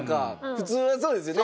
普通はそうですよね？